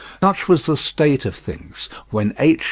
Such was the state of things when H.